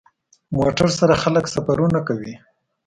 موټر سره خلک سفرونه کوي.